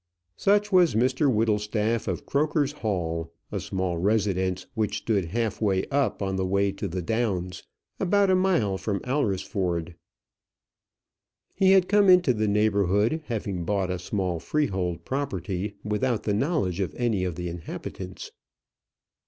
Such was Mr Whittlestaff of Croker's Hall, a small residence which stood half way up on the way to the downs, about a mile from Alresford. He had come into the neighbourhood, having bought a small freehold property without the knowledge of any of the inhabitants.